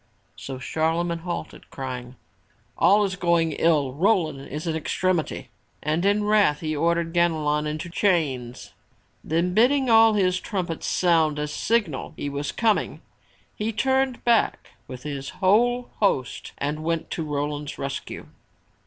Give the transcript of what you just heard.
So Charle magne halted, crying: "All is going ill. Roland is in extremity!" And in wrath he ordered Ganelon into chains. Then bidding all his trumpets sound as signal he was coming he turned back with his whole host and went to Roland's rescue.